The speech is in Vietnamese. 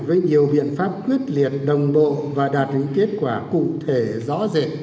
với nhiều biện pháp quyết liệt đồng bộ và đạt những kết quả cụ thể rõ rệt